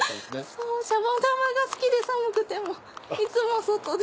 そうシャボン玉が好きで寒くてもいつも外で。